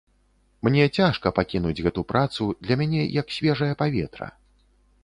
Мне цяжка пакінуць гэту працу, для мяне як свежае паветра.